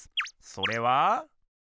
それは。